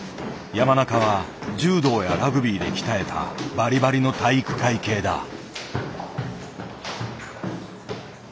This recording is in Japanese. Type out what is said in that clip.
山中は柔道やラグビーで鍛えたバリバリの体育会系だ。